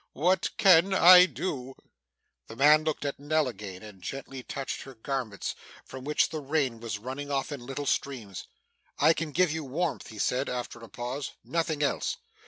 'What can I do!' The man looked at Nell again, and gently touched her garments, from which the rain was running off in little streams. 'I can give you warmth,' he said, after a pause; 'nothing else.